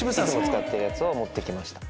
使ってるやつを持って来ました。